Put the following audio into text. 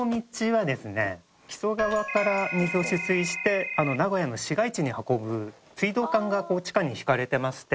「木曽川から水を取水して名古屋の市街地に運ぶ水道管が地下に引かれてまして」